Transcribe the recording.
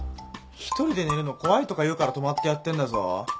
一人で寝るの怖いとか言うから泊まってやってんだぞ。